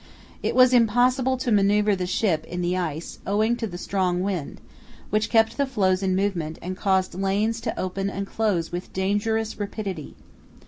It was impossible to manœuvre the ship in the ice owing to the strong wind, which kept the floes in movement and caused lanes to open and close with dangerous rapidity.